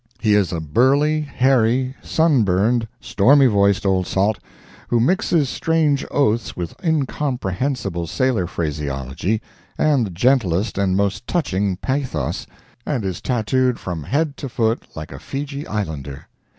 He is a burly, hairy, sunburned, stormy voiced old salt, who mixes strange oaths with incomprehensible sailor phraseology and the gentlest and most touching pathos, and is tattooed from head to foot like a Fejee Islander.